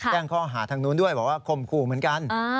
แจ้งข้อหาทางนู้นด้วยบอกว่าข่มขู่เหมือนกัน